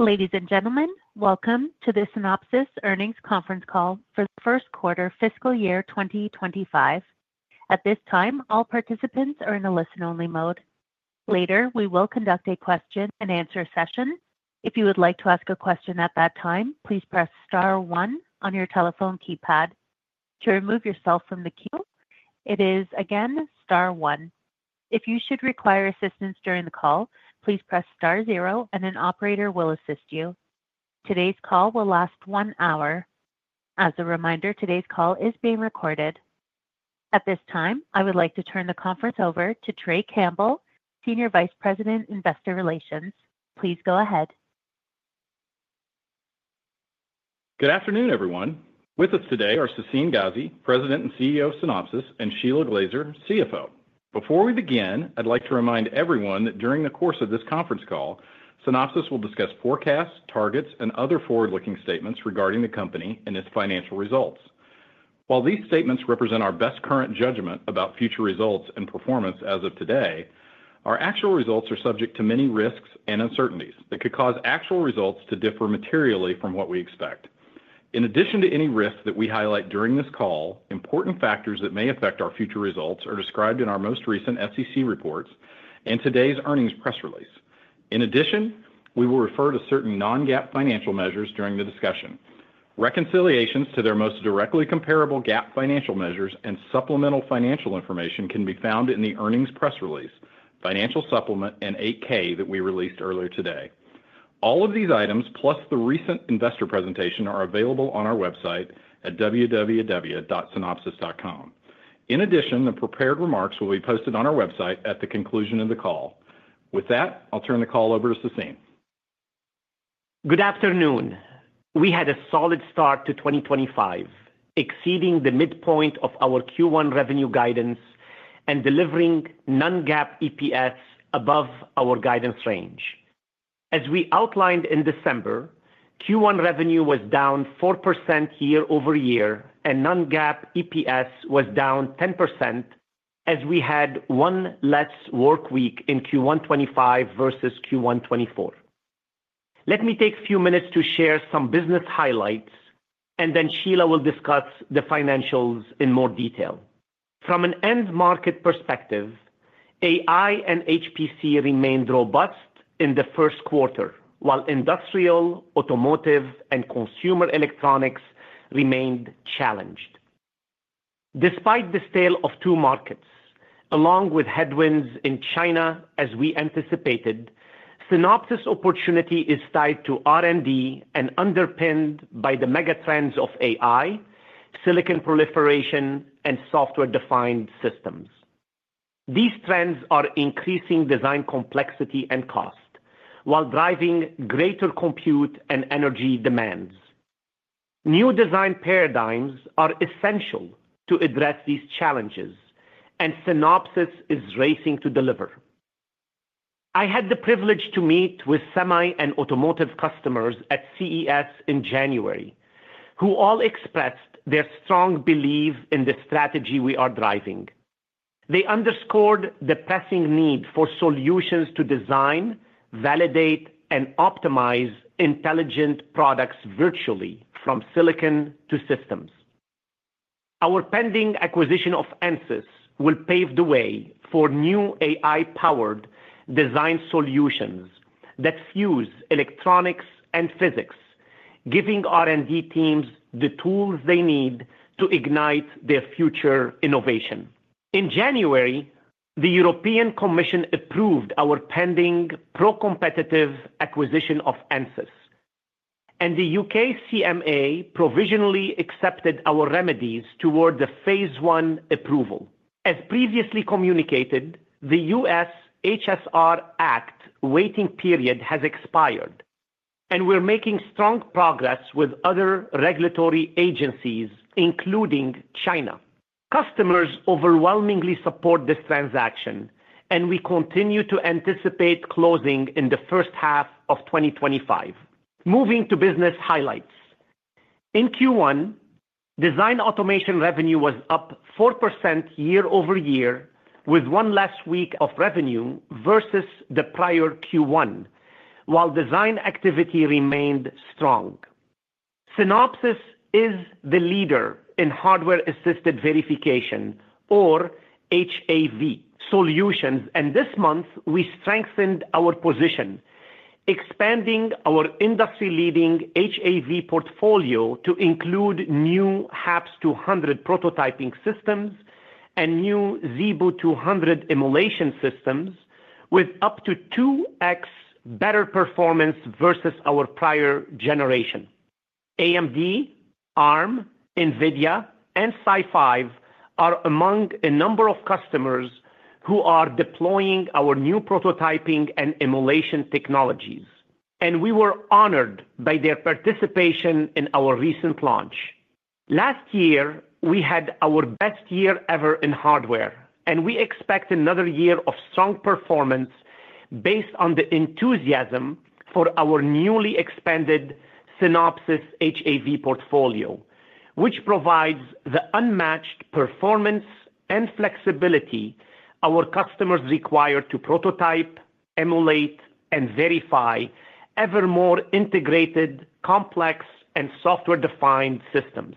Ladies and gentlemen, welcome to the Synopsys Earnings Conference Call for the first quarter fiscal year 2025. At this time, all participants are in the listen-only mode. Later, we will conduct a question-and-answer session. If you would like to ask a question at that time, please press star one on your telephone keypad. To remove yourself from the queue, it is again star one. If you should require assistance during the call, please press star zero, and an operator will assist you. Today's call will last one hour. As a reminder, today's call is being recorded. At this time, I would like to turn the conference over to Trey Campbell, Senior Vice President, Investor Relations. Please go ahead. Good afternoon, everyone. With us today are Sassine Ghazi, President and CEO of Synopsys, and Shelagh Glaser, CFO. Before we begin, I'd like to remind everyone that during the course of this conference call, Synopsys will discuss forecasts, targets, and other forward-looking statements regarding the company and its financial results. While these statements represent our best current judgment about future results and performance as of today, our actual results are subject to many risks and uncertainties that could cause actual results to differ materially from what we expect. In addition to any risks that we highlight during this call, important factors that may affect our future results are described in our most recent SEC reports and today's earnings press release. In addition, we will refer to certain non-GAAP financial measures during the discussion. Reconciliations to their most directly comparable GAAP financial measures and supplemental financial information can be found in the earnings press release, financial supplement, and 8-K that we released earlier today. All of these items, plus the recent investor presentation, are available on our website at www.synopsys.com. In addition, the prepared remarks will be posted on our website at the conclusion of the call. With that, I'll turn the call over to Sassine. Good afternoon. We had a solid start to 2025, exceeding the midpoint of our Q1 revenue guidance and delivering non-GAAP EPS above our guidance range. As we outlined in December, Q1 revenue was down 4% year over year, and non-GAAP EPS was down 10% as we had one less work week in Q1 2025 versus Q1 2024. Let me take a few minutes to share some business highlights, and then Shelagh will discuss the financials in more detail. From an end-market perspective, AI and HPC remained robust in the first quarter, while industrial, automotive, and consumer electronics remained challenged. Despite the stall in two markets, along with headwinds in China, as we anticipated, Synopsys' opportunity is tied to R&D and underpinned by the megatrends of AI, silicon proliferation, and software-defined systems. These trends are increasing design complexity and cost while driving greater compute and energy demands. New design paradigms are essential to address these challenges, and Synopsys is racing to deliver. I had the privilege to meet with semi and automotive customers at CES in January, who all expressed their strong belief in the strategy we are driving. They underscored the pressing need for solutions to design, validate, and optimize intelligent products virtually from silicon to systems. Our pending acquisition of Ansys will pave the way for new AI-powered design solutions that fuse electronics and physics, giving R&D teams the tools they need to ignite their future innovation. In January, the European Commission approved our pending pro-competitive acquisition of Ansys, and the U.K. CMA provisionally accepted our remedies toward the phase one approval. As previously communicated, the U.S. HSR Act waiting period has expired, and we're making strong progress with other regulatory agencies, including China. Customers overwhelmingly support this transaction, and we continue to anticipate closing in the first half of 2025. Moving to business highlights. In Q1, design automation revenue was up 4% year over year, with one less week of revenue versus the prior Q1, while design activity remained strong. Synopsys is the leader in hardware-assisted verification, or HAV, solutions, and this month, we strengthened our position, expanding our industry-leading HAV portfolio to include new HAPS 200 prototyping systems and new ZeBu 200 emulation systems, with up to 2x better performance versus our prior generation. AMD, Arm, NVIDIA, and SiFive are among a number of customers who are deploying our new prototyping and emulation technologies, and we were honored by their participation in our recent launch. Last year, we had our best year ever in hardware, and we expect another year of strong performance based on the enthusiasm for our newly expanded Synopsys HAV portfolio, which provides the unmatched performance and flexibility our customers require to prototype, emulate, and verify ever more integrated, complex, and software-defined systems.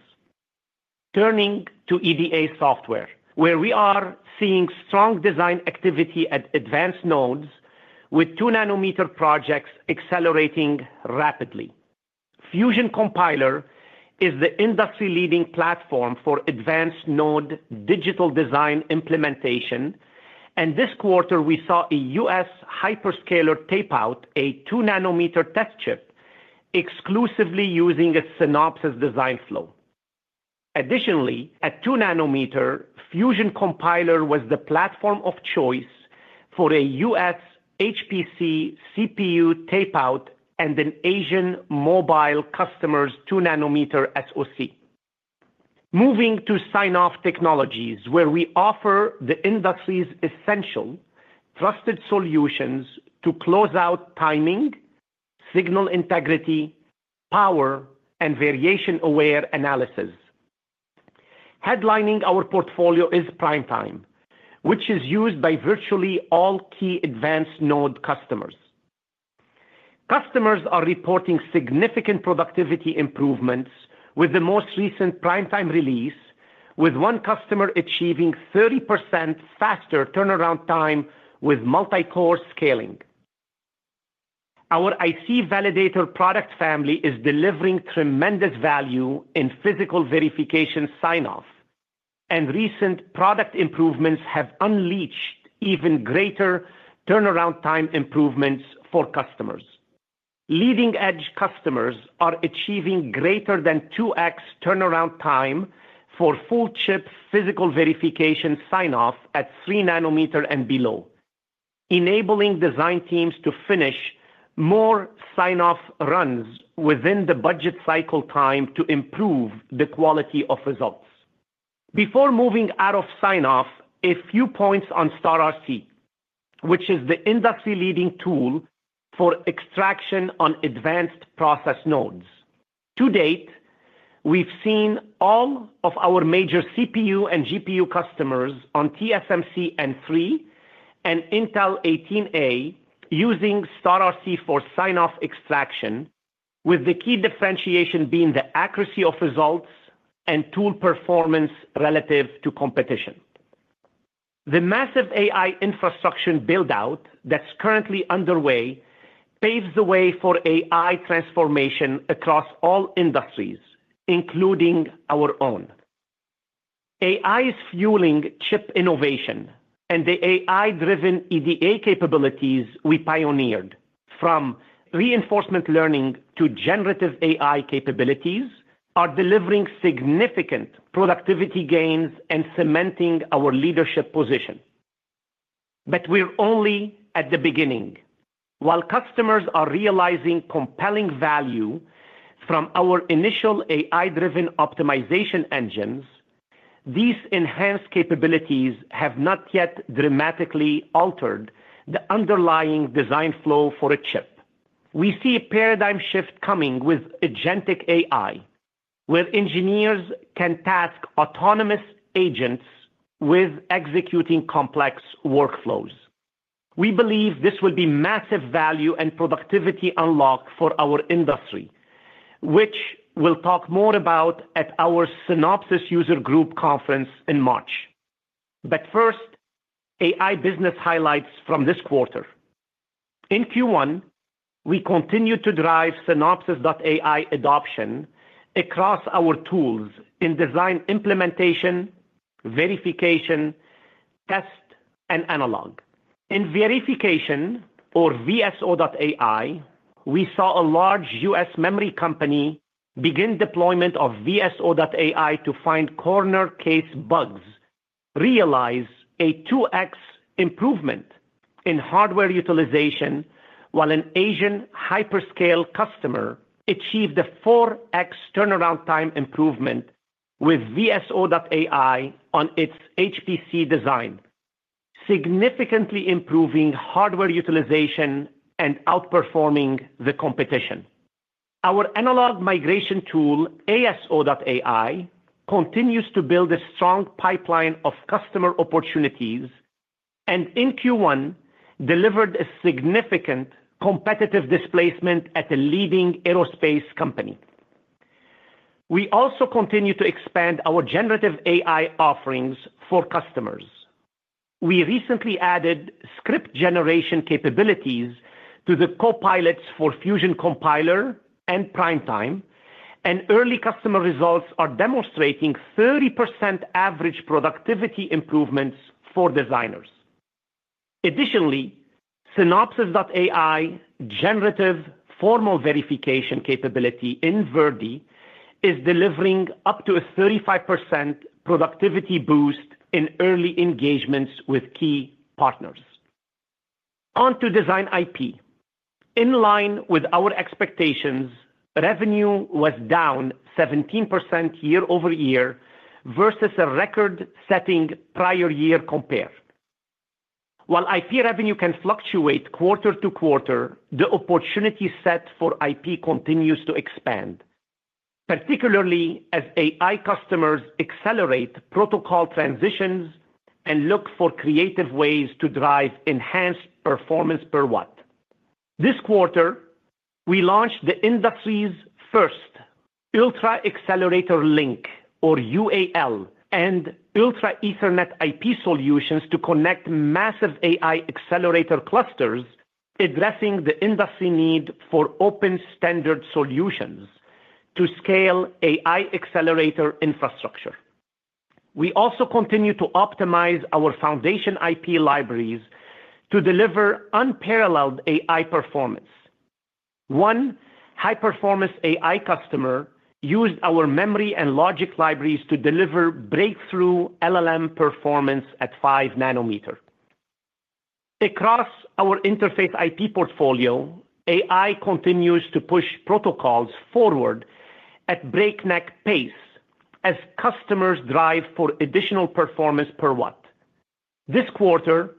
Turning to EDA software, where we are seeing strong design activity at advanced nodes, with two-nanometer projects accelerating rapidly. Fusion Compiler is the industry-leading platform for advanced node digital design implementation, and this quarter, we saw a U.S. hyperscaler tape out a two-nanometer test chip exclusively using its Synopsys design flow. Additionally, at two-nanometer, Fusion Compiler was the platform of choice for a U.S. HPC CPU tape out and an Asian mobile customer's 2 nm SoC. Moving to sign-off technologies, where we offer the industry's essential trusted solutions to close out timing, signal integrity, power, and variation-aware analysis. Headlining our portfolio is PrimeTime, which is used by virtually all key advanced node customers. Customers are reporting significant productivity improvements with the most recent PrimeTime release, with one customer achieving 30% faster turnaround time with multicore scaling. Our IC Validator product family is delivering tremendous value in physical verification sign-off, and recent product improvements have unleashed even greater turnaround time improvements for customers. Leading-edge customers are achieving greater than 2x turnaround time for full chip physical verification sign-off at three-nanometer and below, enabling design teams to finish more sign-off runs within the budget cycle time to improve the quality of results. Before moving out of sign-off, a few points on StarRC, which is the industry-leading tool for extraction on advanced process nodes. To date, we've seen all of our major CPU and GPU customers on TSMC N3 and Intel 18A using StarRC for sign-off extraction, with the key differentiation being the accuracy of results and tool performance relative to competition. The massive AI infrastructure build-out that's currently underway paves the way for AI transformation across all industries, including our own. AI is fueling chip innovation, and the AI-driven EDA capabilities we pioneered, from reinforcement learning to generative AI capabilities, are delivering significant productivity gains and cementing our leadership position. But we're only at the beginning. While customers are realizing compelling value from our initial AI-driven optimization engines, these enhanced capabilities have not yet dramatically altered the underlying design flow for a chip. We see a paradigm shift coming with agentic AI, where engineers can task autonomous agents with executing complex workflows. We believe this will be massive value and productivity unlock for our industry, which we'll talk more about at our Synopsys user group conference in March. But first, AI business highlights from this quarter. In Q1, we continue to drive Synopsys.ai adoption across our tools in design implementation, verification, test, and analog. In verification, our VSO.ai, we saw a large U.S. memory company begin deployment of VSO.ai to find corner-case bugs, realize a 2x improvement in hardware utilization, while an Asian hyperscale customer achieved a 4x turnaround time improvement with VSO.ai on its HPC design, significantly improving hardware utilization and outperforming the competition. Our analog migration tool, ASO.ai, continues to build a strong pipeline of customer opportunities and in Q1 delivered a significant competitive displacement at a leading aerospace company. We also continue to expand our generative AI offerings for customers. We recently added script generation capabilities to the copilots for Fusion Compiler and PrimeTime, and early customer results are demonstrating 30% average productivity improvements for designers. Additionally, Synopsys.ai generative formal verification capability in Verdi is delivering up to a 35% productivity boost in early engagements with key partners. On to design IP. In line with our expectations, revenue was down 17% year over year versus a record-setting prior year compare. While IP revenue can fluctuate quarter to quarter, the opportunity set for IP continues to expand, particularly as AI customers accelerate protocol transitions and look for creative ways to drive enhanced performance per watt. This quarter, we launched the industry's first ultra-accelerator link, or UAL, and ultra-Ethernet IP solutions to connect massive AI accelerator clusters, addressing the industry need for open-standard solutions to scale AI accelerator infrastructure. We also continue to optimize our foundation IP libraries to deliver unparalleled AI performance. One high-performance AI customer used our memory and logic libraries to deliver breakthrough LLM performance at five nanometers. Across our interface IP portfolio, AI continues to push protocols forward at breakneck pace as customers drive for additional performance per watt. This quarter,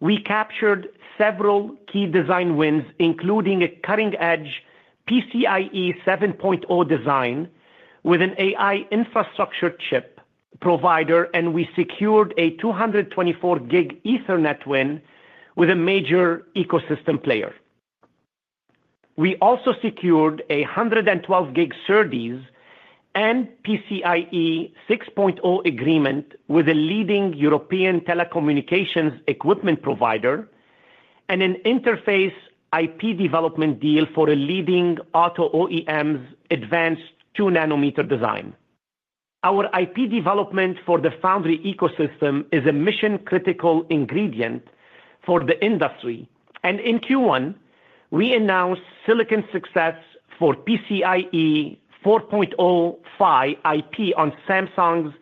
we captured several key design wins, including a cutting-edge PCIe 7.0 design with an AI infrastructure chip provider, and we secured a 224G Ethernet win with a major ecosystem player. We also secured a 112G SerDes and PCIe 6.0 agreement with a leading European telecommunications equipment provider and an interface IP development deal for a leading auto OEM's advanced two-nanometer design. Our IP development for the foundry ecosystem is a mission-critical ingredient for the industry, and in Q1, we announced silicon success for PCIe 4.0 PHY IP on Samsung's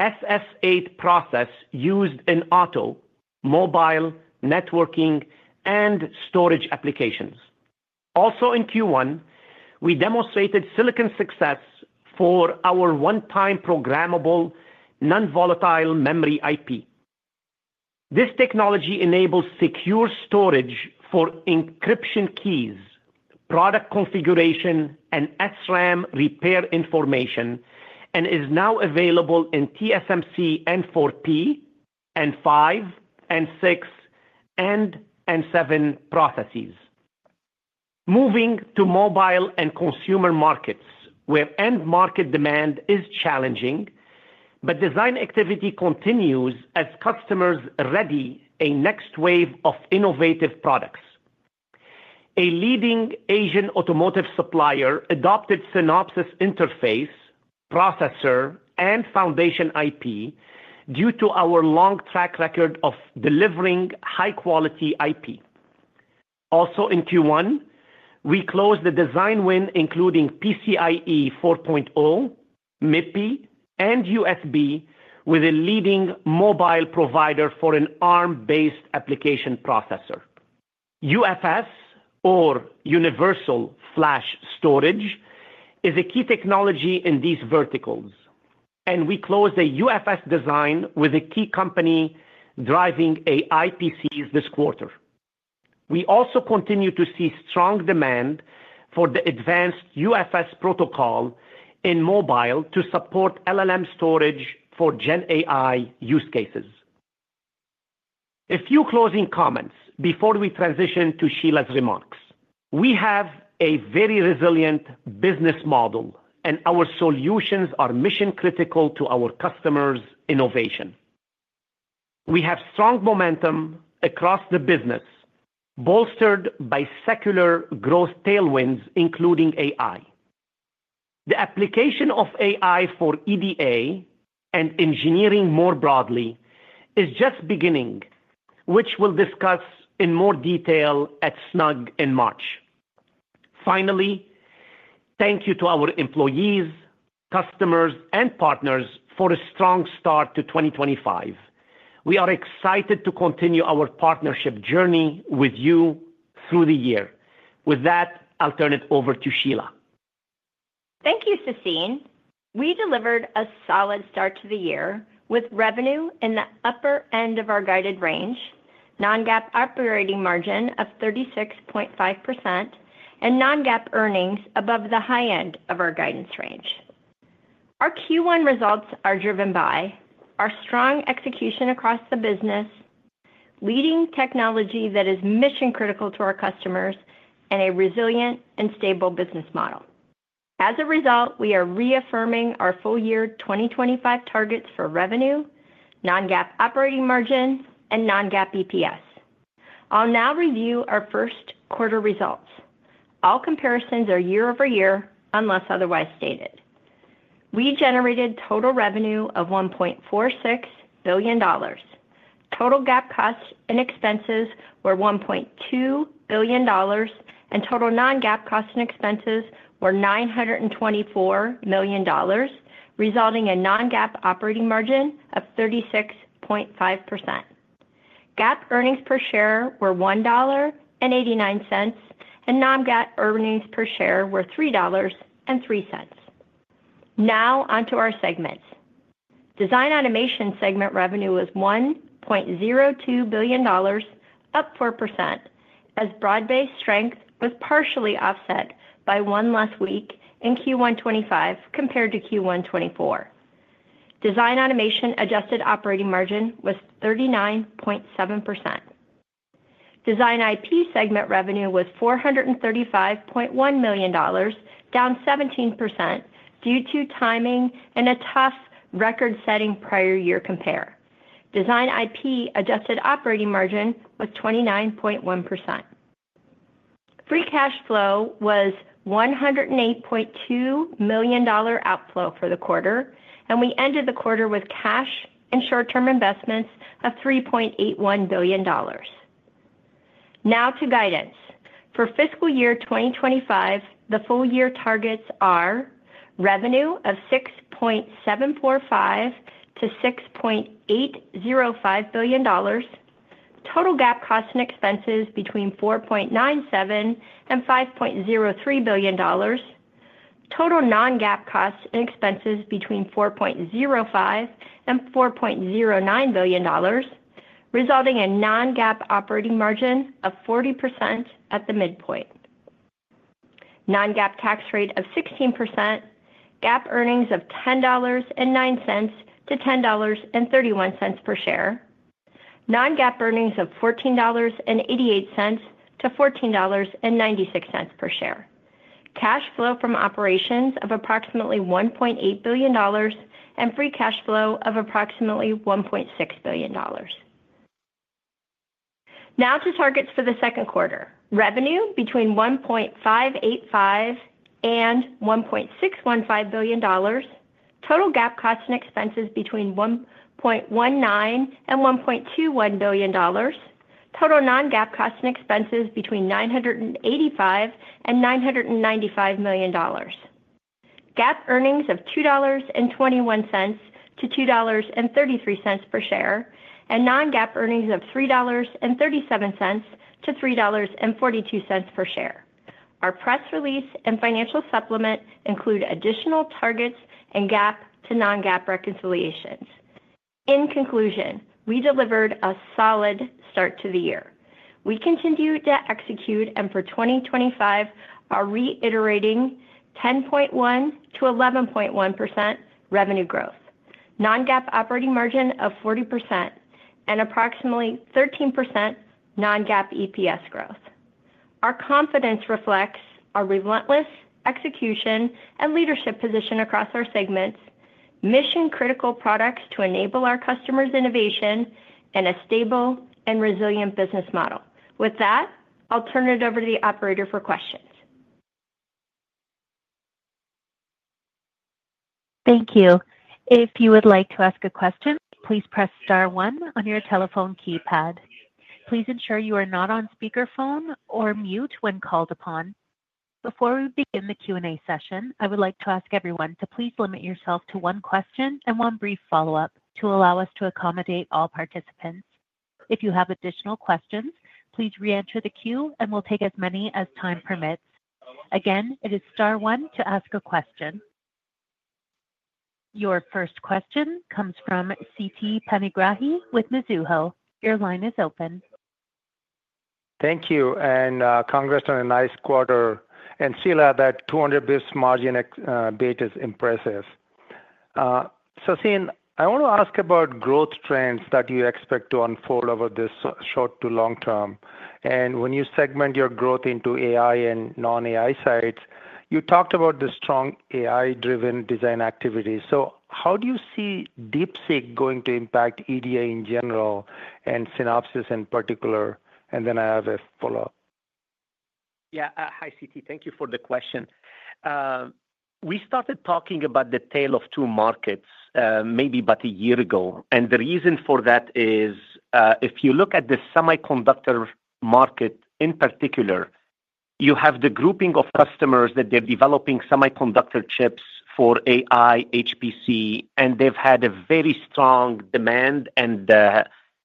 SF8 process used in auto, mobile, networking, and storage applications. Also in Q1, we demonstrated silicon success for our one-time programmable non-volatile memory IP. This technology enables secure storage for encryption keys, product configuration, and SRAM repair information, and is now available in TSMC N4P and N5 and N6 and N7 processes. Moving to mobile and consumer markets, where end-market demand is challenging, but design activity continues as customers ready a next wave of innovative products. A leading Asian automotive supplier adopted Synopsys interface, processor, and foundation IP due to our long track record of delivering high-quality IP. Also in Q1, we closed the design win, including PCIe 4.0, MIPI, and USB with a leading mobile provider for an ARM-based application processor. UFS, or Universal Flash Storage, is a key technology in these verticals, and we closed a UFS design with a key company driving AI PC this quarter. We also continue to see strong demand for the advanced UFS protocol in mobile to support LLM storage for GenAI use cases. A few closing comments before we transition to Shelagh's remarks. We have a very resilient business model, and our solutions are mission-critical to our customers' innovation. We have strong momentum across the business, bolstered by secular growth tailwinds, including AI. The application of AI for EDA and engineering more broadly is just beginning, which we'll discuss in more detail at SNUG in March. Finally, thank you to our employees, customers, and partners for a strong start to 2025. We are excited to continue our partnership journey with you through the year. With that, I'll turn it over to Shelagh. Thank you, Sassine. We delivered a solid start to the year with revenue in the upper end of our guided range, non-GAAP operating margin of 36.5%, and non-GAAP earnings above the high end of our guidance range. Our Q1 results are driven by our strong execution across the business, leading technology that is mission-critical to our customers, and a resilient and stable business model. As a result, we are reaffirming our full-year 2025 targets for revenue, non-GAAP operating margin, and non-GAAP EPS. I'll now review our first quarter results. All comparisons are year over year, unless otherwise stated. We generated total revenue of $1.46 billion. Total GAAP costs and expenses were $1.2 billion, and total non-GAAP costs and expenses were $924 million, resulting in non-GAAP operating margin of 36.5%. GAAP earnings per share were $1.89, and non-GAAP earnings per share were $3.03. Now onto our segments. Design automation segment revenue was $1.02 billion, up 4%, as broad-based strength was partially offset by one less week in Q125 compared to Q124. Design automation adjusted operating margin was 39.7%. Design IP segment revenue was $435.1 million, down 17% due to timing and a tough record-setting prior year compare. Design IP adjusted operating margin was 29.1%. Free cash flow was $108.2 million outflow for the quarter, and we ended the quarter with cash and short-term investments of $3.81 billion. Now to guidance. For fiscal year 2025, the full-year targets are revenue of $6.745-$6.805 billion, total GAAP costs and expenses between $4.97-$5.03 billion, total non-GAAP costs and expenses between $4.05-$4.09 billion, resulting in non-GAAP operating margin of 40% at the midpoint, non-GAAP tax rate of 16%, GAAP earnings of $10.09-$10.31 per share, non-GAAP earnings of $14.88-$14.96 per share, cash flow from operations of approximately $1.8 billion, and free cash flow of approximately $1.6 billion. Now to targets for the second quarter. Revenue between $1.585-$1.615 billion, total GAAP costs and expenses between $1.19-$1.21 billion, total non-GAAP costs and expenses between $985-$995 million, GAAP earnings of $2.21-$2.33 per share, and non-GAAP earnings of $3.37-$3.42 per share. Our press release and financial supplement include additional targets and GAAP to non-GAAP reconciliations. In conclusion, we delivered a solid start to the year. We continue to execute, and for 2025, are reiterating 10.1%-11.1% revenue growth, non-GAAP operating margin of 40%, and approximately 13% non-GAAP EPS growth. Our confidence reflects our relentless execution and leadership position across our segments, mission-critical products to enable our customers' innovation, and a stable and resilient business model. With that, I'll turn it over to the operator for questions. Thank you. If you would like to ask a question, please press star one on your telephone keypad. Please ensure you are not on speakerphone or mute when called upon. Before we begin the Q&A session, I would like to ask everyone to please limit yourself to one question and one brief follow-up to allow us to accommodate all participants. If you have additional questions, please re-enter the queue, and we'll take as many as time permits. Again, it is star one to ask a question. Your first question comes from Siti Panigrahi with Mizuho. Your line is open. Thank you, and congrats on a nice quarter. And Shelagh, that 200 basis point margin expansion is impressive. Sassine, I want to ask about growth trends that you expect to unfold over this short- to long-term. And when you segment your growth into AI and non-AI sides, you talked about the strong AI-driven design activity. So how do you see DeepSeek going to impact EDA in general and Synopsys in particular? And then I have a follow-up. Yeah, hi Siti. Thank you for the question. We started talking about the tale of two markets maybe about a year ago. And the reason for that is if you look at the semiconductor market in particular, you have the grouping of customers that they're developing semiconductor chips for AI, HPC, and they've had a very strong demand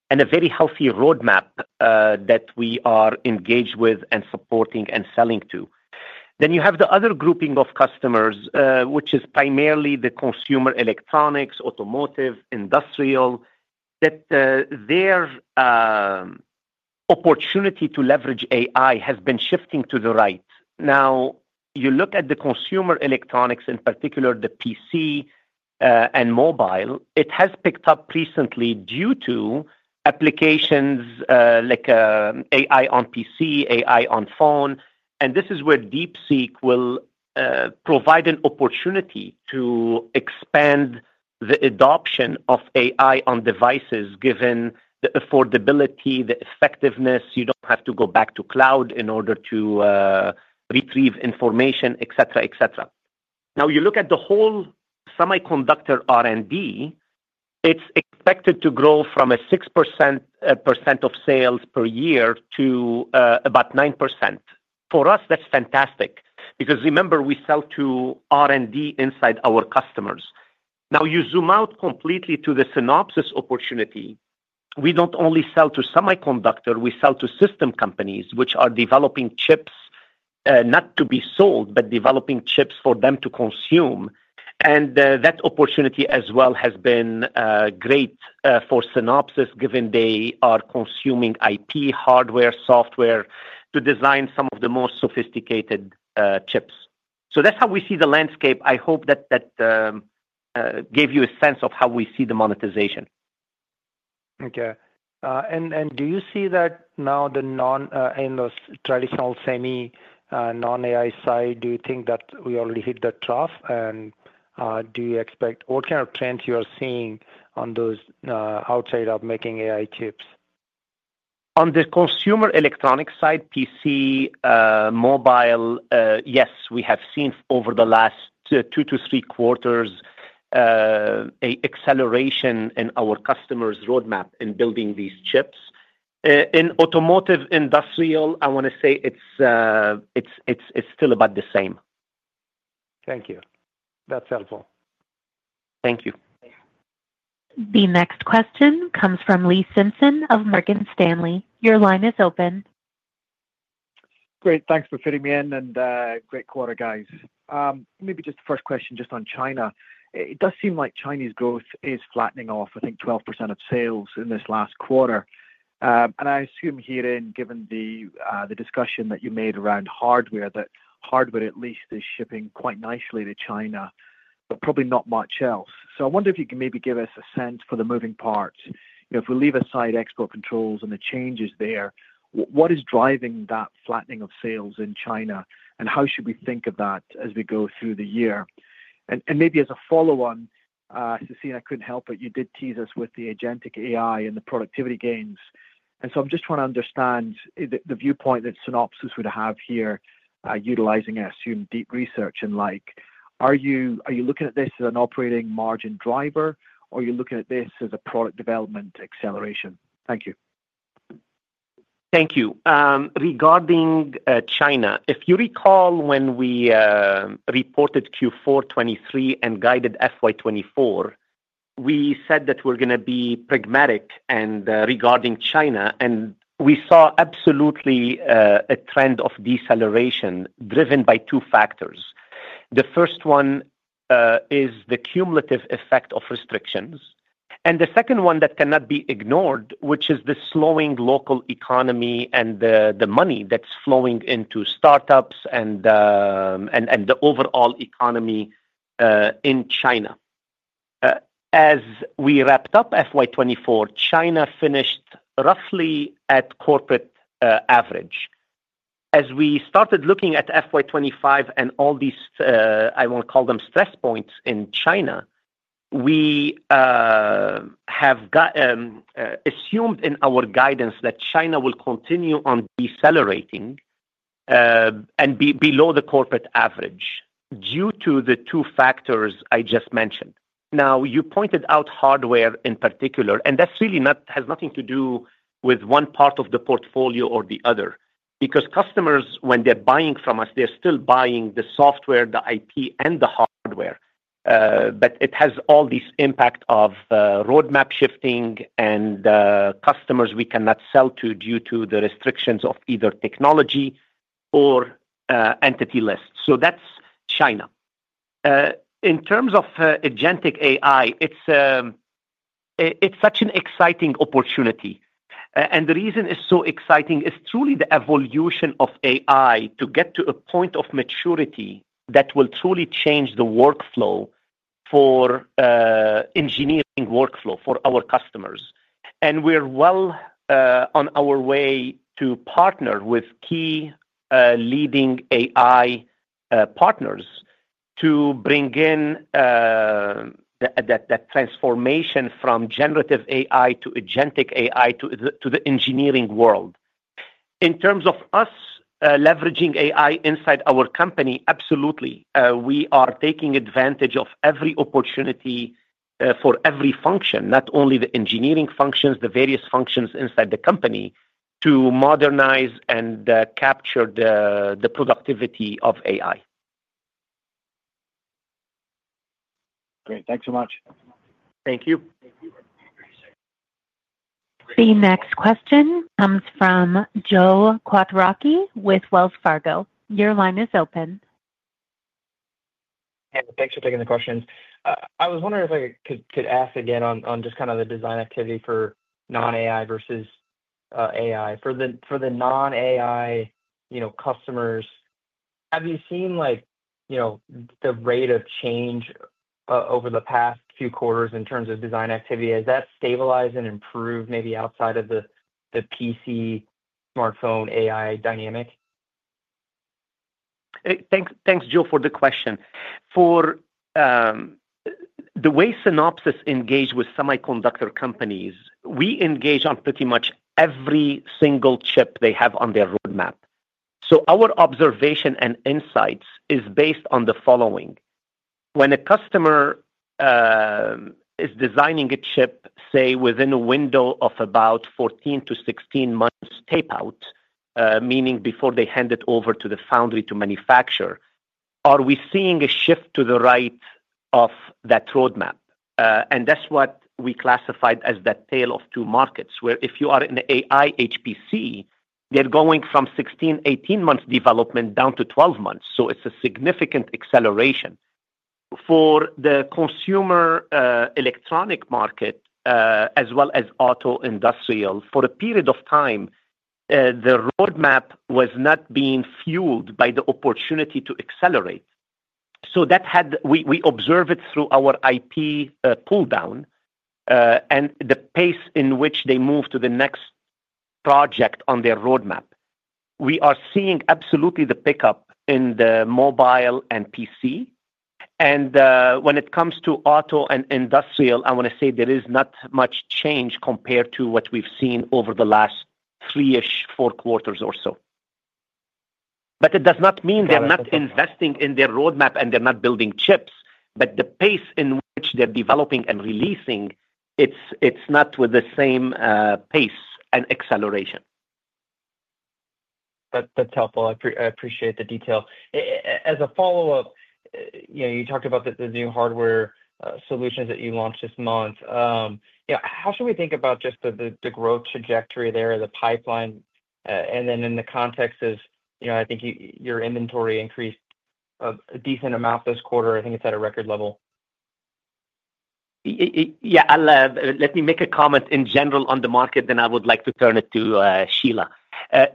and a very healthy roadmap that we are engaged with and supporting and selling to. Then you have the other grouping of customers, which is primarily the consumer electronics, automotive, industrial, that their opportunity to leverage AI has been shifting to the right. Now, you look at the consumer electronics in particular, the PC and mobile, it has picked up recently due to applications like AI on PC, AI on phone, and this is where DeepSeek will provide an opportunity to expand the adoption of AI on devices given the affordability, the effectiveness. You don't have to go back to cloud in order to retrieve information, etc., etc. Now, you look at the whole semiconductor R&D, it's expected to grow from a 6% of sales per year to about 9%. For us, that's fantastic because remember, we sell to R&D inside our customers. Now, you zoom out completely to the Synopsys opportunity, we don't only sell to semiconductor, we sell to system companies which are developing chips not to be sold, but developing chips for them to consume. And that opportunity as well has been great for Synopsys given they are consuming IP, hardware, software to design some of the most sophisticated chips. So that's how we see the landscape. I hope that gave you a sense of how we see the monetization. Okay. And do you see that now the non-AI and those traditional semi non-AI side, do you think that we already hit the trough? And do you expect what kind of trends you are seeing on those outside of making AI chips? On the consumer electronics side, PC, mobile, yes, we have seen over the last two to three quarters an acceleration in our customers' roadmap in building these chips. In automotive industrial, I want to say it's still about the same. Thank you. That's helpful. Thank you. The next question comes from Lee Simpson of Morgan Stanley. Your line is open. Great. Thanks for fitting me in and great quarter, guys. Maybe just the first question just on China. It does seem like Chinese growth is flattening off, I think 12% of sales in this last quarter. And I assume here in, given the discussion that you made around hardware, that hardware at least is shipping quite nicely to China, but probably not much else. So I wonder if you can maybe give us a sense for the moving parts. If we leave aside export controls and the changes there, what is driving that flattening of sales in China and how should we think of that as we go through the year? And maybe as a follow-on, Sassine, I couldn't help it, you did tease us with the agentic AI and the productivity gains. And so I'm just trying to understand the viewpoint that Synopsys would have here utilizing, I assume, DeepSeek and, like. Are you looking at this as an operating margin driver or are you looking at this as a product development acceleration? Thank you. Thank you. Regarding China, if you recall when we reported Q4 2023 and guided FY 2024, we said that we're going to be pragmatic regarding China, and we saw absolutely a trend of deceleration driven by two factors. The first one is the cumulative effect of restrictions, and the second one that cannot be ignored, which is the slowing local economy and the money that's flowing into startups and the overall economy in China. As we wrapped up FY 2024, China finished roughly at corporate average. As we started looking at FY 2025 and all these, I won't call them stress points in China. We have assumed in our guidance that China will continue on decelerating and be below the corporate average due to the two factors I just mentioned. Now, you pointed out hardware in particular, and that really has nothing to do with one part of the portfolio or the other because customers, when they're buying from us, they're still buying the software, the IP, and the hardware, but it has all this impact of roadmap shifting and customers we cannot sell to due to the restrictions of either technology or entity lists. So that's China. In terms of agentic AI, it's such an exciting opportunity. And the reason it's so exciting is truly the evolution of AI to get to a point of maturity that will truly change the engineering workflow for our customers. And we're well on our way to partner with key leading AI partners to bring in that transformation from generative AI to agentic AI to the engineering world. In terms of us leveraging AI inside our company, absolutely. We are taking advantage of every opportunity for every function, not only the engineering functions, the various functions inside the company to modernize and capture the productivity of AI. Great. Thanks so much. Thank you. The next question comes from Joe Quatrochi with Wells Fargo. Your line is open. Thanks for taking the questions. I was wondering if I could ask again on just kind of the design activity for non-AI versus AI. For the non-AI customers, have you seen the rate of change over the past few quarters in terms of design activity? Has that stabilized and improved maybe outside of the PC smartphone AI dynamic? Thanks, Joe, for the question. For the way Synopsys engages with semiconductor companies, we engage on pretty much every single chip they have on their roadmap. So our observation and insights is based on the following. When a customer is designing a chip, say, within a window of about 14-16 months tape out, meaning before they hand it over to the foundry to manufacture, are we seeing a shift to the right of that roadmap? And that's what we classified as that tale of two markets where if you are in the AI HPC, they're going from 16-18 months development down to 12 months. So it's a significant acceleration. For the consumer electronic market, as well as auto industrial, for a period of time, the roadmap was not being fueled by the opportunity to accelerate. So we observe it through our IP pull-down and the pace in which they move to the next project on their roadmap. We are seeing absolutely the pickup in the mobile and PC. When it comes to auto and industrial, I want to say there is not much change compared to what we've seen over the last three-ish, four quarters or so. But it does not mean they're not investing in their roadmap and they're not building chips, but the pace in which they're developing and releasing, it's not with the same pace and acceleration. That's helpful. I appreciate the detail. As a follow-up, you talked about the new hardware solutions that you launched this month. How should we think about just the growth trajectory there, the pipeline? And then in the context of I think your inventory increased a decent amount this quarter. I think it's at a record level. Yeah. Let me make a comment in general on the market, then I would like to turn it to Shelagh.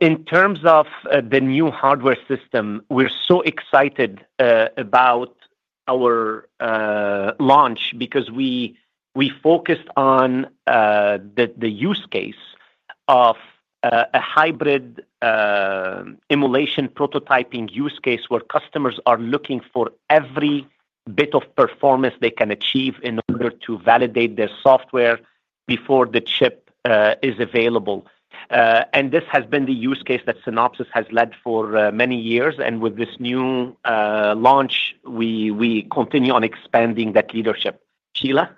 In terms of the new hardware system, we're so excited about our launch because we focused on the use case of a hybrid emulation prototyping use case where customers are looking for every bit of performance they can achieve in order to validate their software before the chip is available. And this has been the use case that Synopsys has led for many years. And with this new launch, we continue on expanding that leadership. Shelagh?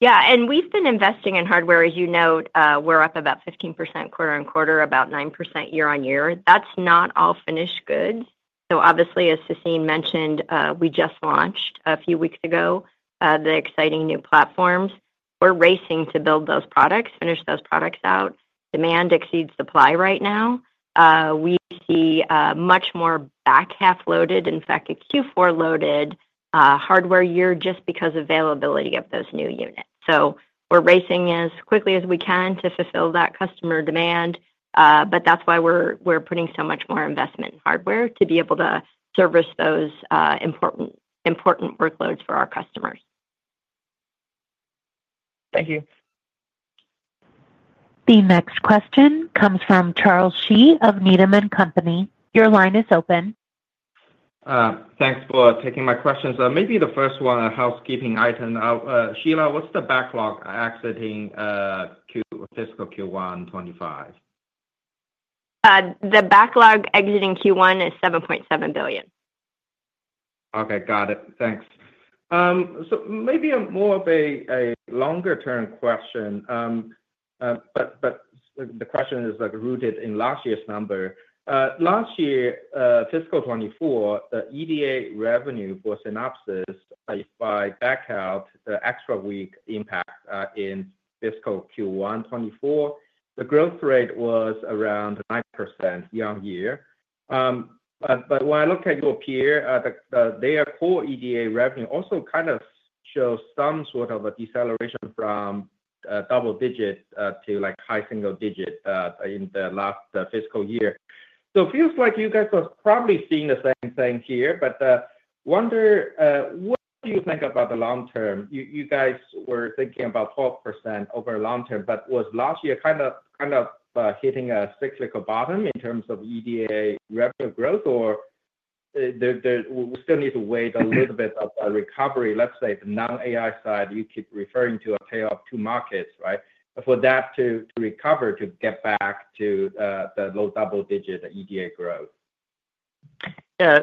Yeah. And we've been investing in hardware, as you know. We're up about 15% quarter on quarter, about 9% year on year. That's not all finished goods. So obviously, as Sassine mentioned, we just launched a few weeks ago the exciting new platforms. We're racing to build those products, finish those products out. Demand exceeds supply right now. We see much more back half loaded, in fact, a Q4 loaded hardware year just because of availability of those new units. So we're racing as quickly as we can to fulfill that customer demand. But that's why we're putting so much more investment in hardware to be able to service those important workloads for our customers. Thank you. The next question comes from Charles Shi of Needham & Company. Your line is open. Thanks for taking my questions. Maybe the first one, a housekeeping item. Shelagh, what's the backlog exiting Q1, fiscal Q1 2025? The backlog exiting Q1 is $7.7 billion. Okay. Got it. Thanks. So maybe a more of a longer-term question, but the question is rooted in last year's number. Last year, fiscal 2024, the EDA revenue for Synopsys by backing out the extra week impact in fiscal Q1 2024, the growth rate was around 9% year on year. But when I look at your peer, their core EDA revenue also kind of shows some sort of a deceleration from double digit to high single digit in the last fiscal year. So it feels like you guys are probably seeing the same thing here, but I wonder what do you think about the long term? You guys were thinking about 12% over a long term, but was last year kind of hitting a cyclical bottom in terms of EDA revenue growth, or we still need to wait a little bit of a recovery? Let's say the non-AI side, you keep referring to a tale of two markets, right? For that to recover, to get back to the low double digit EDA growth. Yeah.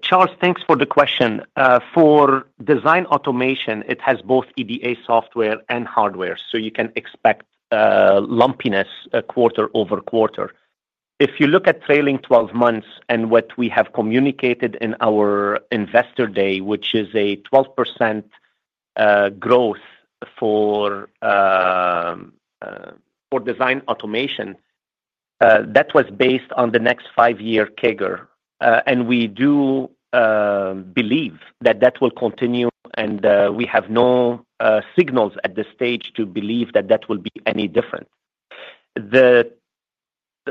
Charles, thanks for the question. For design automation, it has both EDA software and hardware, so you can expect lumpiness quarter over quarter. If you look at trailing 12 months and what we have communicated in our investor day, which is a 12% growth for design automation, that was based on the next five-year CAGR, and we do believe that that will continue, and we have no signals at this stage to believe that that will be any different.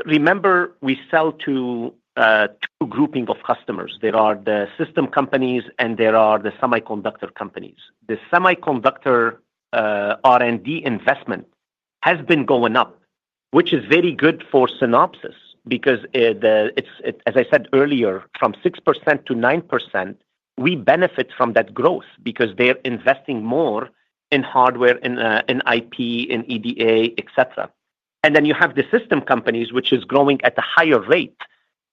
Remember, we sell to two groupings of customers. There are the system companies, and there are the semiconductor companies. The semiconductor R&D investment has been going up, which is very good for Synopsys because, as I said earlier, from 6% to 9%, we benefit from that growth because they're investing more in hardware, in IP, in EDA, etc. And then you have the system companies, which is growing at a higher rate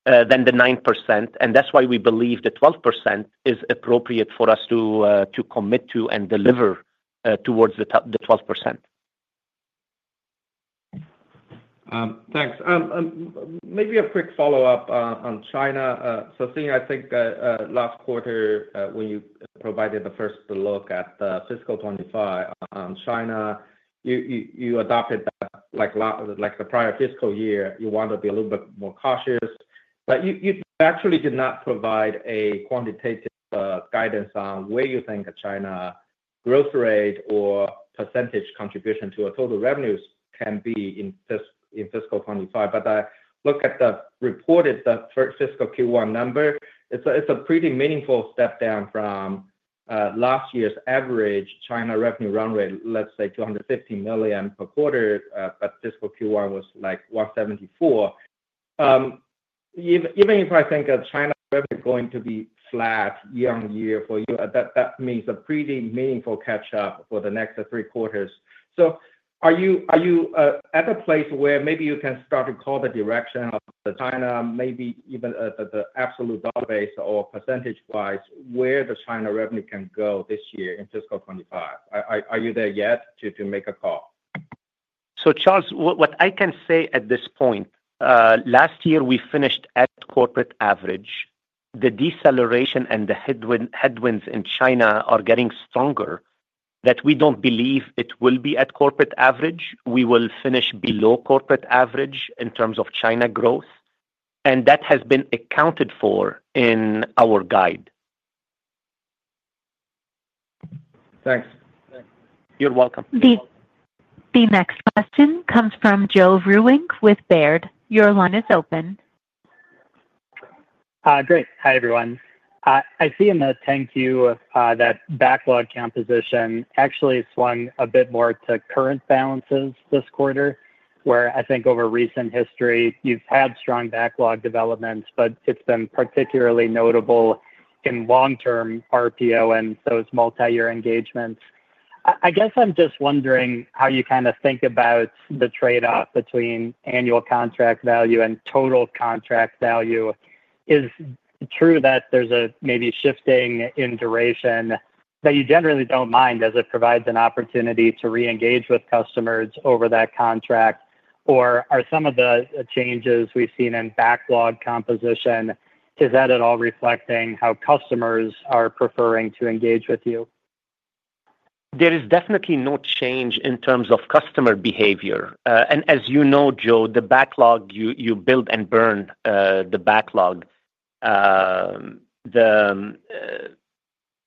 than the 9%, and that's why we believe the 12% is appropriate for us to commit to and deliver towards the 12%. Thanks. Maybe a quick follow-up on China. Sassine, I think last quarter when you provided the first look at the fiscal 2025 on China, you adopted that like the prior fiscal year. You want to be a little bit more cautious, but you actually did not provide a quantitative guidance on where you think China's growth rate or percentage contribution to total revenues can be in fiscal 2025. But I look at the reported fiscal Q1 number. It's a pretty meaningful step down from last year's average China revenue run rate, let's say $250 million per quarter, but fiscal Q1 was like $174 million. Even if I think of China revenue going to be flat year on year for you, that means a pretty meaningful catch-up for the next three quarters. So are you at a place where maybe you can start to call the direction of China? Maybe even the absolute dollar basis or percentage-wise where the China revenue can go this year in fiscal 2025? Are you there yet to make a call? So Charles, what I can say at this point, last year we finished at corporate average. The deceleration and the headwinds in China are getting stronger that we don't believe it will be at corporate average. We will finish below corporate average in terms of China growth, and that has been accounted for in our guide. Thanks. You're welcome. The next question comes from Joe Vruwink with Baird. Your line is open. Great. Hi, everyone. I see in the thank you that backlog composition actually swung a bit more to current balances this quarter where I think over recent history you've had strong backlog developments, but it's been particularly notable in long-term RPO and those multi-year engagements. I guess I'm just wondering how you kind of think about the trade-off between annual contract value and total contract value. Is it true that there's a maybe shifting in duration that you generally don't mind as it provides an opportunity to re-engage with customers over that contract? Or are some of the changes we've seen in backlog composition, is that at all reflecting how customers are preferring to engage with you? There is definitely no change in terms of customer behavior. And as you know, Joe, the backlog, you build and burn the backlog.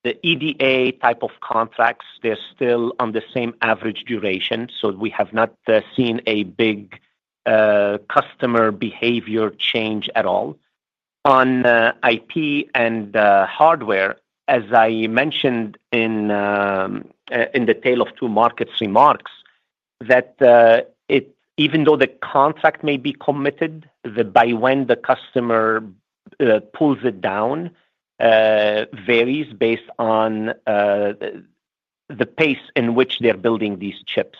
The EDA type of contracts, they're still on the same average duration, so we have not seen a big customer behavior change at all. On IP and hardware, as I mentioned in the Tale of Two Markets remarks, that even though the contract may be committed, the by when the customer pulls it down varies based on the pace in which they're building these chips.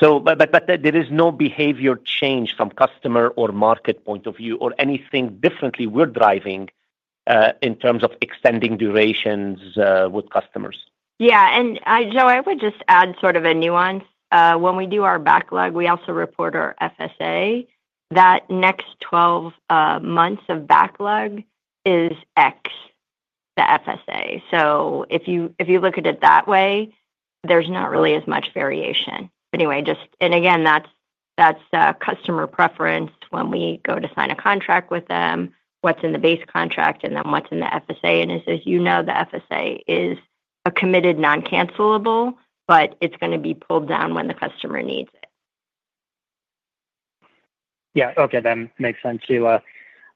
But there is no behavior change from customer or market point of view or anything differently we're driving in terms of extending durations with customers. Yeah. And Joe, I would just add sort of a nuance. When we do our backlog, we also report our FSA. That next 12 months of backlog is ex, the FSA. So if you look at it that way, there's not really as much variation. Anyway, and again, that's customer preference when we go to sign a contract with them, what's in the base contract, and then what's in the FSA. And as you know, the FSA is a committed non-cancelable, but it's going to be pulled down when the customer needs it. Yeah. Okay. That makes sense, Shelagh.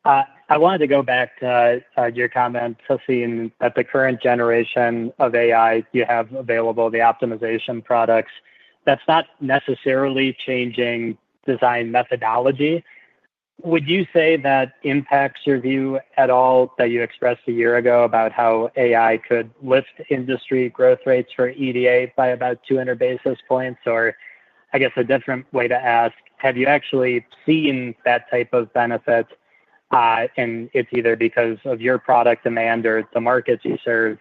I wanted to go back to your comment, Sassine, that the current generation of AI you have available, the optimization products, that's not necessarily changing design methodology. Would you say that impacts your view at all that you expressed a year ago about how AI could lift industry growth rates for EDA by about 200 basis points? Or I guess a different way to ask, have you actually seen that type of benefit? And it's either because of your product demand or the markets you serve,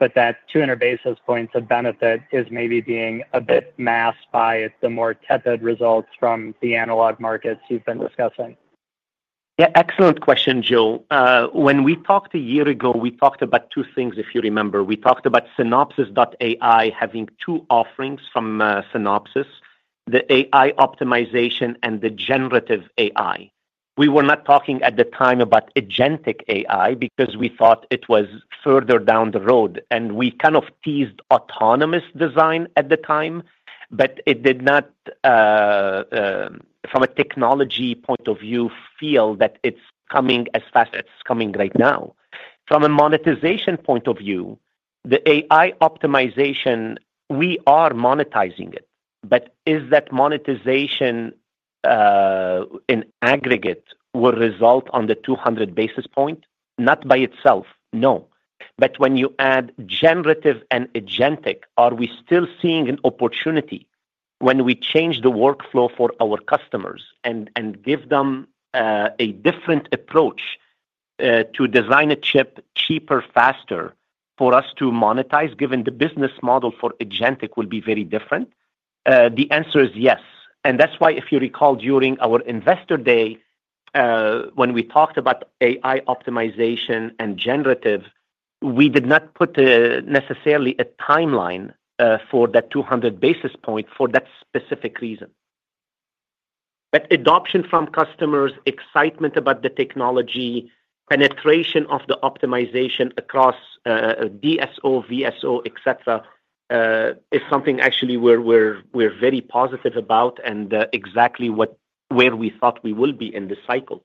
but that 200 basis points of benefit is maybe being a bit masked by the more tepid results from the analog markets you've been discussing? Yeah. Excellent question, Joe. When we talked a year ago, we talked about two things, if you remember. We talked about Synopsys.ai having two offerings from Synopsys, the AI optimization and the generative AI. We were not talking at the time about agentic AI because we thought it was further down the road. And we kind of teased autonomous design at the time, but it did not, from a technology point of view, feel that it's coming as fast as it's coming right now. From a monetization point of view, the AI optimization, we are monetizing it. But is that monetization in aggregate will result on the 200 basis points? Not by itself, no. But when you add generative and agentic, are we still seeing an opportunity when we change the workflow for our customers and give them a different approach to design a chip cheaper, faster for us to monetize, given the business model for agentic will be very different? The answer is yes. And that's why if you recall during our investor day when we talked about AI optimization and generative, we did not put necessarily a timeline for that 200 basis points for that specific reason. But adoption from customers, excitement about the technology, penetration of the optimization across DSO, VSO, etc., is something actually we're very positive about and exactly where we thought we will be in the cycle.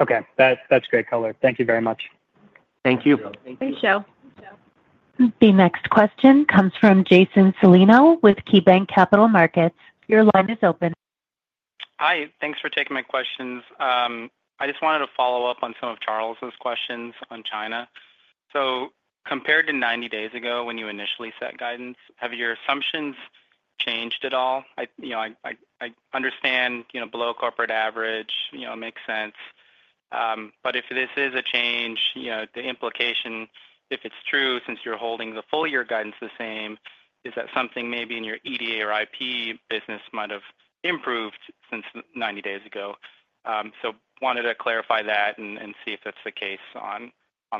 Okay. That's great color. Thank you very much. Thank you. Thank you. Thank you, Joe. The next question comes from Jason Celino with KeyBanc Capital Markets. Your line is open. Hi. Thanks for taking my questions. I just wanted to follow up on some of Charles' questions on China. So compared to 90 days ago when you initially set guidance, have your assumptions changed at all? I understand below corporate average, makes sense. But if this is a change, the implication, if it's true, since you're holding the full year guidance the same, is that something maybe in your EDA or IP business might have improved since 90 days ago? So wanted to clarify that and see if that's the case on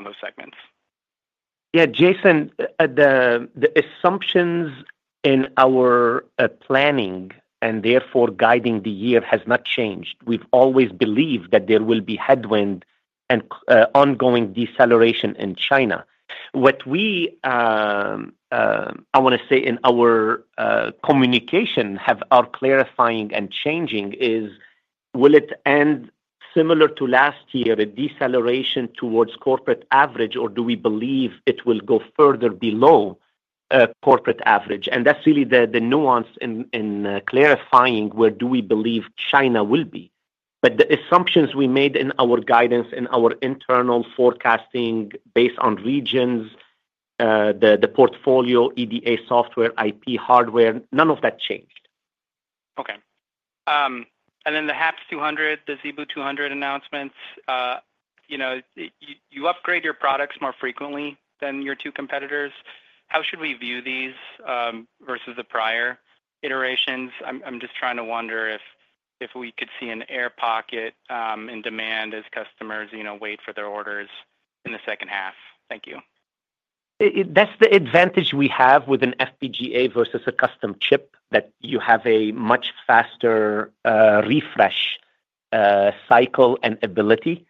those segments. Yeah. Jason, the assumptions in our planning and therefore guiding the year has not changed. We've always believed that there will be headwind and ongoing deceleration in China. What we want to say in our communication are clarifying and changing is, will it end similar to last year, a deceleration towards corporate average, or do we believe it will go further below corporate average? And that's really the nuance in clarifying where do we believe China will be. But the assumptions we made in our guidance, in our internal forecasting based on regions, the portfolio, EDA software, IP, hardware, none of that changed. Okay. And then the HAPS 200, the ZeBu 200 announcements, you upgrade your products more frequently than your two competitors. How should we view these versus the prior iterations? I'm just trying to wonder if we could see an air pocket in demand as customers wait for their orders in the second half. Thank you. That's the advantage we have with an FPGA versus a custom chip, that you have a much faster refresh cycle and ability.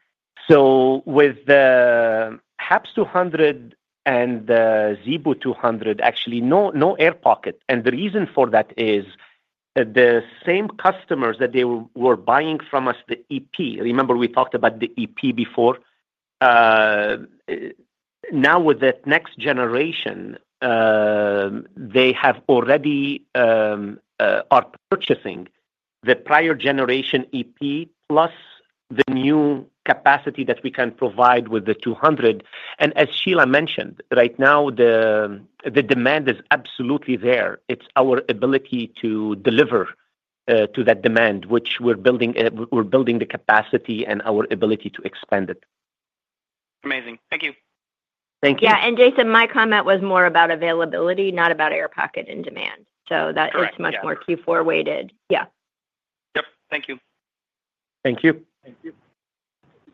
So with the HAPS 200 and the ZeBu 200, actually no air pocket. And the reason for that is the same customers that they were buying from us, the EP. Remember we talked about the EP before. Now with that next generation, they have already are purchasing the prior generation EP plus the new capacity that we can provide with the 200. And as Shelagh mentioned, right now the demand is absolutely there. It's our ability to deliver to that demand, which we're building the capacity and our ability to expand it. Amazing. Thank you. Thank you. Yeah. And Jason, my comment was more about availability, not about air pocket in demand. So that is much more Q4 weighted. Yeah. Yep. Thank you. Thank you. Thank you.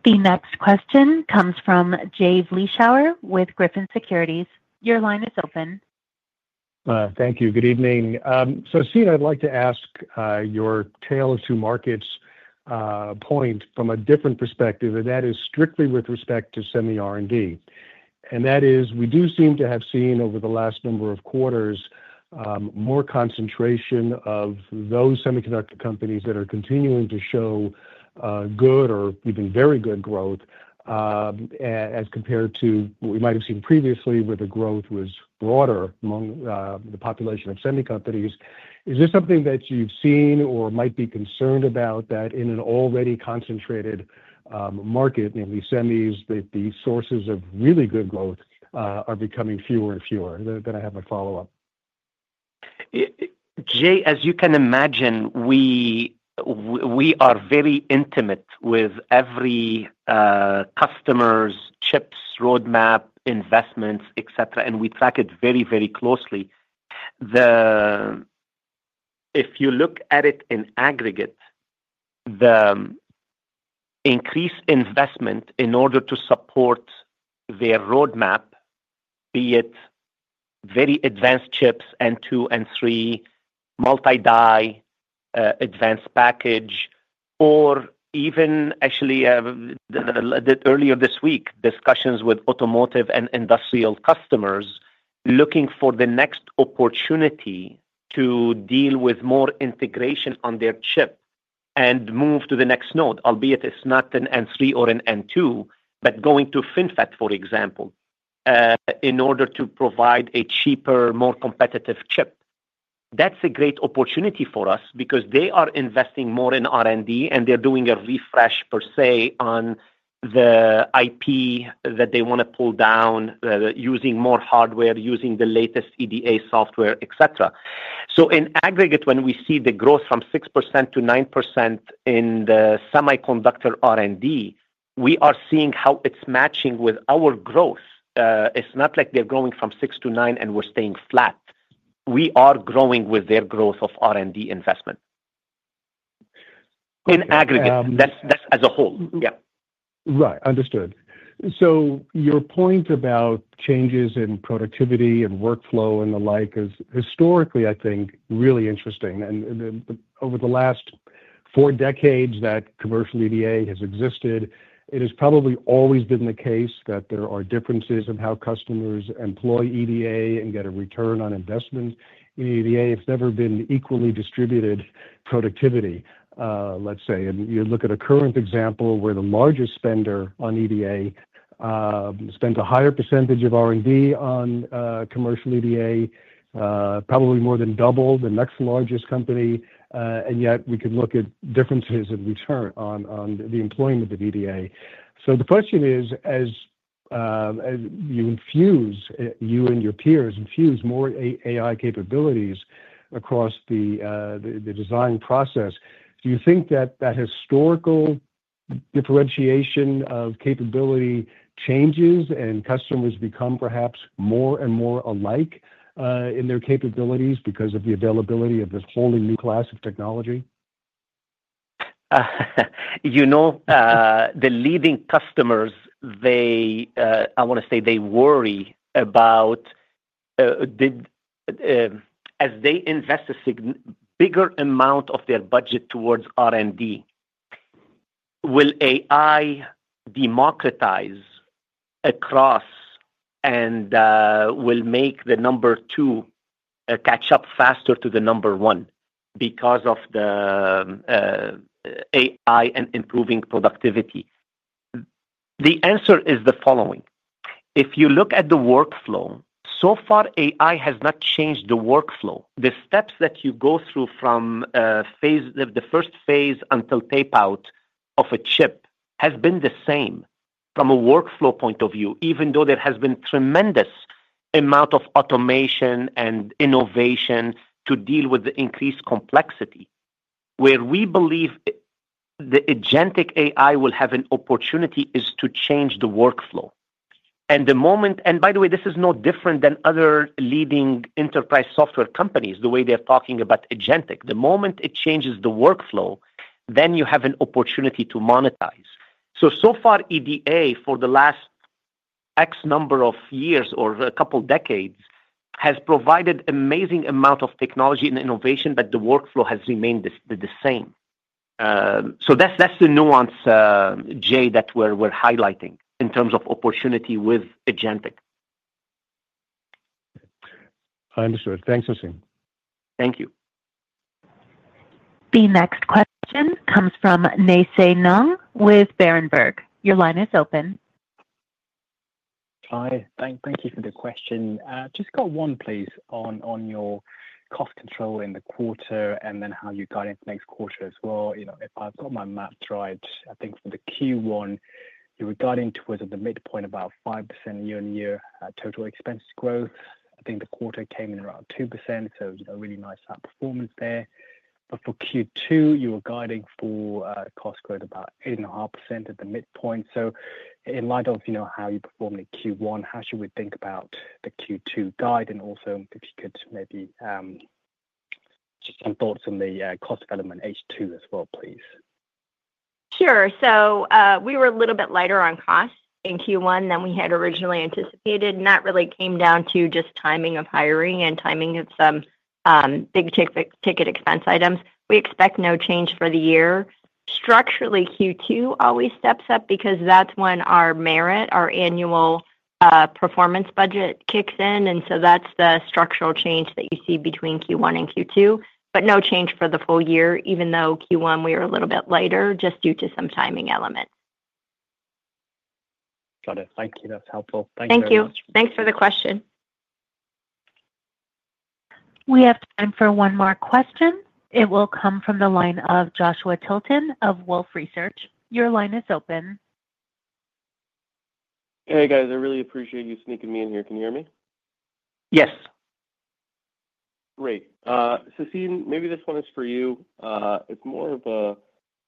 The next question comes from Jay Vleeschhouwer with Griffin Securities. Your line is open. Thank you. Good evening. Sassine, I'd like to ask your Tale of Two Markets point from a different perspective, and that is strictly with respect to semi-R&D. And that is we do seem to have seen over the last number of quarters more concentration of those semiconductor companies that are continuing to show good or even very good growth as compared to what we might have seen previously where the growth was broader among the population of semi companies. Is this something that you've seen or might be concerned about that in an already concentrated market, namely semis, that the sources of really good growth are becoming fewer and fewer? Then I have a follow-up. Jay, as you can imagine, we are very intimate with every customer's chips, roadmap, investments, etc., and we track it very, very closely. If you look at it in aggregate, the increased investment in order to support their roadmap, be it very advanced chips and two and three multi-die advanced package, or even actually earlier this week, discussions with automotive and industrial customers looking for the next opportunity to deal with more integration on their chip and move to the next node, albeit it's not an N3 or an N2, but going to FinFET, for example, in order to provide a cheaper, more competitive chip. That's a great opportunity for us because they are investing more in R&D and they're doing a refresh per se on the IP that they want to pull down using more hardware, using the latest EDA software, etc. So in aggregate, when we see the growth from 6%-9% in the semiconductor R&D, we are seeing how it's matching with our growth. It's not like they're growing from 6 to 9 and we're staying flat. We are growing with their growth of R&D investment. In aggregate, that's as a whole. Yeah. Right. Understood. So your point about changes in productivity and workflow and the like is historically, I think, really interesting. And over the last four decades that commercial EDA has existed, it has probably always been the case that there are differences in how customers employ EDA and get a return on investment in EDA. It's never been equally distributed productivity, let's say. And you look at a current example where the largest spender on EDA spent a higher percentage of R&D on commercial EDA, probably more than double the next largest company. And yet we could look at differences in return on the employment of EDA. So the question is, as you infuse, you and your peers infuse more AI capabilities across the design process, do you think that that historical differentiation of capability changes and customers become perhaps more and more alike in their capabilities because of the availability of this whole new class of technology? You know, the leading customers, I want to say they worry about as they invest a bigger amount of their budget towards R&D, will AI democratize across and will make the number two catch up faster to the number one because of the AI and improving productivity? The answer is the following. If you look at the workflow, so far AI has not changed the workflow. The steps that you go through from the first phase until tapeout of a chip have been the same from a workflow point of view, even though there has been tremendous amount of automation and innovation to deal with the increased complexity. Where we believe the agentic AI will have an opportunity is to change the workflow. By the way, this is no different than other leading enterprise software companies, the way they're talking about agentic. The moment it changes the workflow, then you have an opportunity to monetize. So far, EDA for the last X number of years or a couple of decades has provided an amazing amount of technology and innovation, but the workflow has remained the same. So that's the nuance, Jay, that we're highlighting in terms of opportunity with agentic. I understood. Thanks, Jason. Thank you. The next question comes from Nay Soe Naing with Berenberg. Your line is open. Hi. Thank you for the question. Just got one, please, on your cost control in the quarter and then how you got into next quarter as well. If I've got my math right, I think for the Q1, you were guiding towards the midpoint, about 5% year-on-year total expense growth. I think the quarter came in around 2%. So really nice performance there. But for Q2, you were guiding for cost growth about 8.5% at the midpoint. So in light of how you performed in Q1, how should we think about the Q2 guide? And also if you could maybe just some thoughts on the cost development H2 as well, please. Sure. So we were a little bit lighter on cost in Q1 than we had originally anticipated. That really came down to just timing of hiring and timing of some big-ticket expense items. We expect no change for the year. Structurally, Q2 always steps up because that's when our merit, our annual performance budget kicks in. And so that's the structural change that you see between Q1 and Q2. But no change for the full year, even though Q1 we were a little bit lighter just due to some timing elements. Got it. Thank you. That's helpful. Thank you very much. Thank you. Thanks for the question. We have time for one more question. It will come from the line of Joshua Tilton of Wolfe Research. Your line is open. Hey, guys. I really appreciate you sneaking me in here. Can you hear me? Yes. Great. Sassine, maybe this one is for you. It's more of a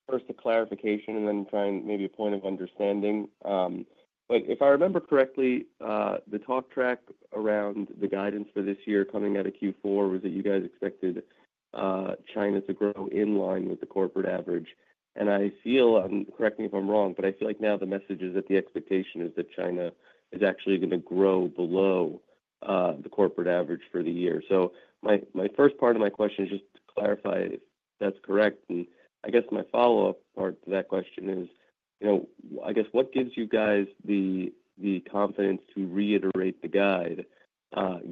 first, a clarification and then trying maybe a point of understanding. But if I remember correctly, the talk track around the guidance for this year coming out of Q4 was that you guys expected China to grow in line with the corporate average. And I feel, and correct me if I'm wrong, but I feel like now the message is that the expectation is that China is actually going to grow below the corporate average for the year. So my first part of my question is just to clarify if that's correct. And I guess my follow-up part to that question is, I guess, what gives you guys the confidence to reiterate the guide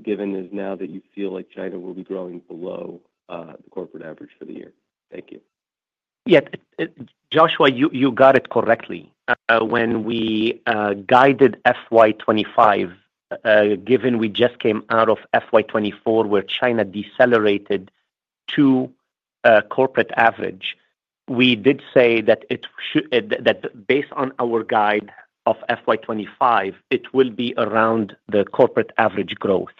given now that you feel like China will be growing below the corporate average for the year? Thank you. Yeah. Joshua, you got it correctly. When we guided FY 2025, given we just came out of FY 2024 where China decelerated to corporate average, we did say that based on our guide of FY 2025, it will be around the corporate average growth.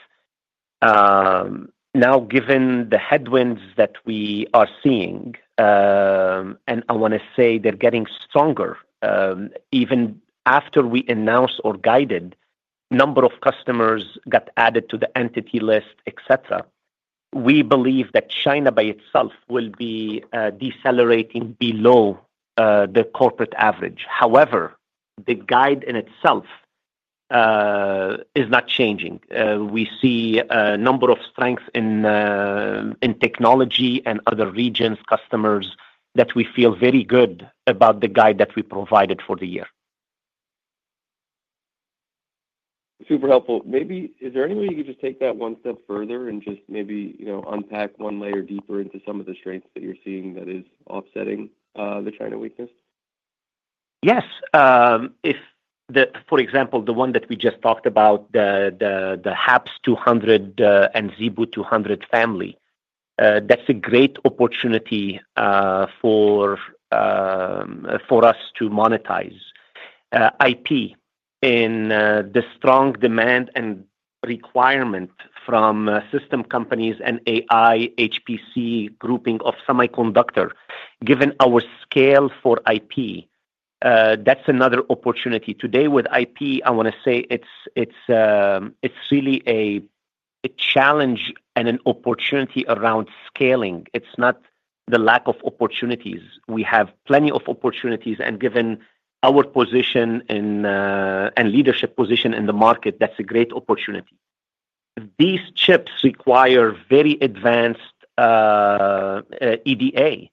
Now, given the headwinds that we are seeing, and I want to say they're getting stronger, even after we announced or guided, number of customers got added to the entity list, etc., we believe that China by itself will be decelerating below the corporate average. However, the guide in itself is not changing. We see a number of strengths in technology and other regions, customers that we feel very good about the guide that we provided for the year. Super helpful. Maybe is there any way you could just take that one step further and just maybe unpack one layer deeper into some of the strengths that you're seeing that is offsetting the China weakness? Yes. For example, the one that we just talked about, the HAPS 200 and ZeBu 200 family, that's a great opportunity for us to monetize IP in the strong demand and requirement from system companies and AI HPC grouping of semiconductor. Given our scale for IP, that's another opportunity. Today with IP, I want to say it's really a challenge and an opportunity around scaling. It's not the lack of opportunities. We have plenty of opportunities. And given our position and leadership position in the market, that's a great opportunity. These chips require very advanced EDA.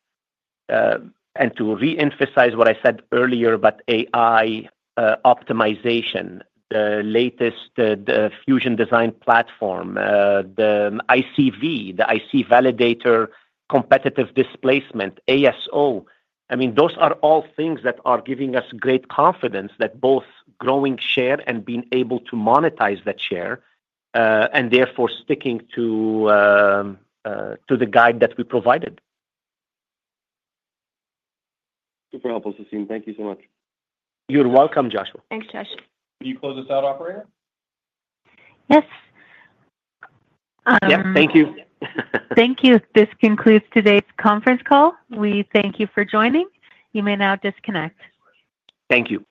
And to reemphasize what I said earlier about AI optimization, the latest Fusion Design Platform, the ICV, the IC Validator, competitive displacement, ASO. I mean, those are all things that are giving us great confidence that both growing share and being able to monetize that share and therefore sticking to the guide that we provided. Super helpful, Sassine. Thank you so much. You're welcome, Joshua. Thanks, Josh. Can you close this out, operator? Yes. Yep. Thank you. Thank you. This concludes today's conference call. We thank you for joining. You may now disconnect. Thank you.